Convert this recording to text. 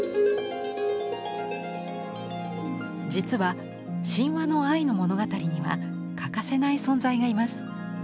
実は神話の愛の物語には欠かせない存在がいます。